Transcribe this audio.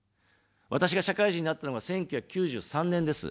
私が社会人になったのが１９９３年です。